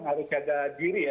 dengan para harus jaga diri ya